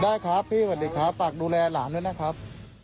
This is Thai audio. ได้ครับพี่สวัสดีครับฝากดูแลหลานด้วยนะครับ